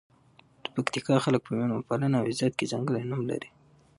د پکتیکا خلګ په میلمه پالنه او غیرت کې ځانکړي نوم لزي.